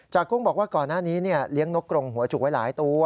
กุ้งบอกว่าก่อนหน้านี้เลี้ยงนกกรงหัวจุกไว้หลายตัว